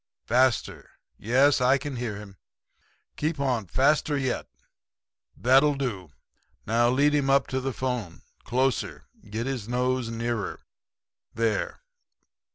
Faster. Yes, I can hear him. Keep on faster yet. ... That'll do. Now lead him up to the phone. Closer. Get his nose nearer. There.